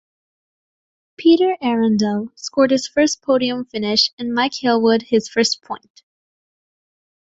Peter Arundell scored his first podium finish, and Mike Hailwood his first point.